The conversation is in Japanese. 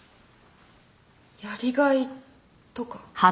やりがいとか？